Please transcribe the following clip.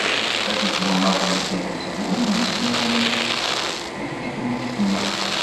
Adiplumaṭ n tidet d win i s-yessnen i tetiknikt-nni.